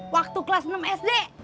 waktu kelas enam sd